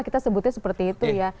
kita sebutnya seperti itu ya